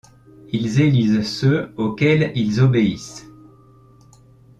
Ils élisent ceux auxquels ils obéissent.